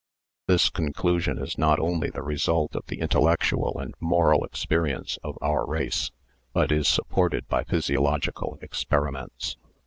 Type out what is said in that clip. This conclusion is not only the result of the intellectual and moral experience of our race, but is supported by physiological experiments.